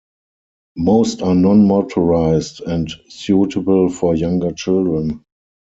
Most are non-motorized and suitable for younger children.